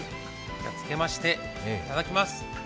つけましていただきます。